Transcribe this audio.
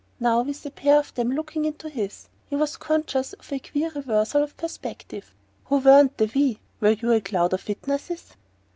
Now, with a pair of them looking into his, he was conscious of a queer reversal of perspective. "Who were the 'we'? Were you a cloud of witnesses?"